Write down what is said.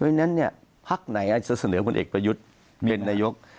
ด้วยนั้นเนี่ยพักไหนจะเสนอคนเอกประยุทธิ์เป็นนายก